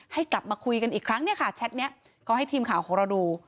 ให้กลับมาคุยกันอีกครั้งแชทนี้ก็ให้ทีมข่าวของเราดู